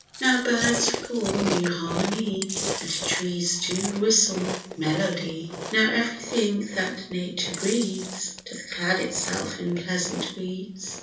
Now birds recall new harmony, And trees do whistle melody; Now everything that nature breeds, Doth clad itself in pleasant weeds.